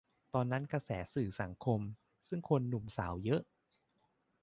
ตอนนั้นกระแสสื่อสังคม ซึ่งคนหนุ่มสาวเยอะ